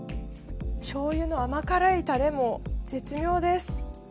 しょうゆの甘辛いたれも絶妙です。